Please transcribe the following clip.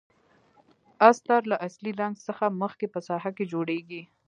استر له اصلي رنګ څخه مخکې په ساحه کې جوړیږي.